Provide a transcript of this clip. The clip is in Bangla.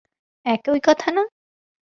একই কথা না?